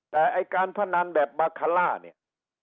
แต่ไอ้การพนันแบบบาคาล่าเนี่ย